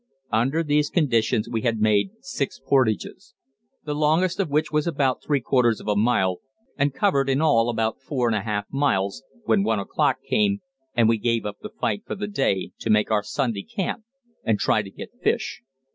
Under these conditions we had made six portages, the longest of which was about three quarters of a mile, and covered in all about four and a half miles, when one o'clock came and we gave up the fight for the day, to make our Sunday camp and try to get fish.